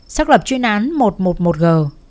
xác lập chuyên án một trăm một mươi một g